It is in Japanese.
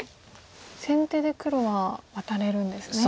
先手で黒はワタれるんですね。